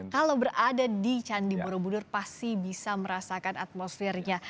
kalau berada di candi borobudur pasti bisa merasakan atmosfernya